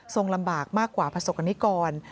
ทรงคลับมากกว่าพระศกณิกร